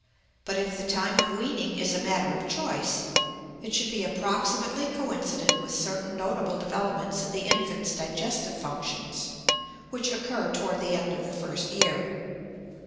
But if the time of weaning is a matter of choice, it should be approximately coincident with certain notable developments in the infant's digestive functions, which occur toward the end of the first year.